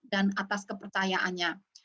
dan atas kepercayaannya